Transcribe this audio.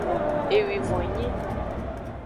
Ewivon nyi.